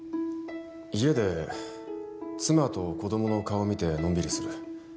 家で妻と子供の顔を見てのんびりする。